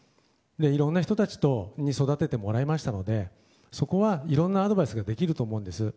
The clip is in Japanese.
いろんな人たちに育ててもらいましたのでそこはいろんなアドバイスができると思うんです。